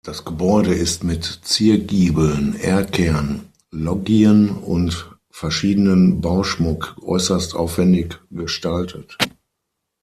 Das Gebäude ist mit Ziergiebeln, Erkern, Loggien und verschiedenem Bauschmuck äußerst aufwändig gestaltet.